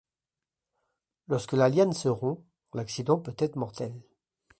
Lorsque la liane se rompt, l'accident peut être mortel.